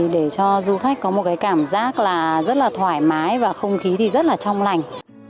để cho du khách có một cảm giác rất thoải mái và không khí rất trong lành